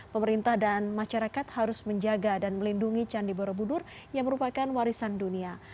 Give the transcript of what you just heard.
pemerintah dan masyarakat harus menjaga dan melindungi candi borobudur yang merupakan warisan dunia